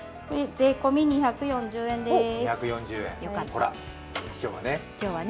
税込み２４０円です。